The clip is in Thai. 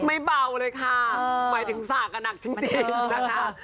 ไม่เบาเลยค่ะหมายถึงสากหนักจริงนะคะ